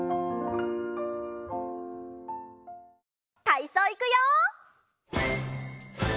たいそういくよ！